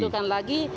kita butuhkan lagi